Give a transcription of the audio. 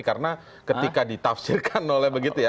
karena ketika ditafsirkan oleh begitu ya